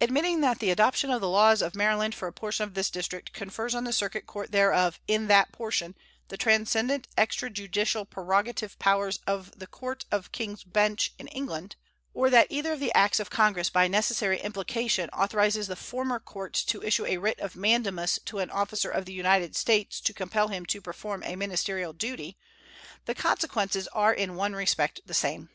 Admitting that the adoption of the laws of Maryland for a portion of this District confers on the circuit court thereof, in that portion, the transcendent extrajudicial prerogative powers of the court of king's bench in England, or that either of the acts of Congress by necessary implication authorizes the former court to issue a writ of mandamus to an officer of the United States to compel him to perform a ministerial duty, the consequences are in one respect the same.